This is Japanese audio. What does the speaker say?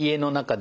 で